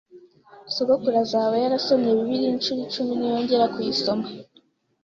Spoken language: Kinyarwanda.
Sogokuru azaba yarasomye Bibiliya inshuro icumi niyongera kuyisoma